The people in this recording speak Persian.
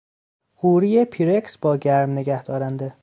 قوری پیرکس با گرم نگه دارنده